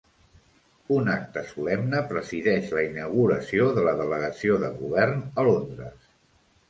Un acte solemne presideix la inauguració de la delegació de govern a Londres